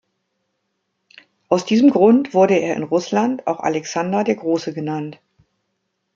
Aus diesem Grund wurde er in Russland auch Alexander der Große genannt.